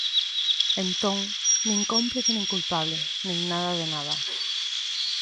Entón, nin cómplice nin culpable nin nada de nada.